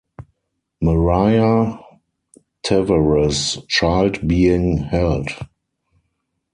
Mariah Tavares child being held.